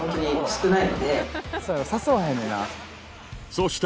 そして